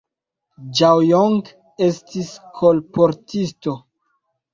Ĝao Jong estis kolportisto.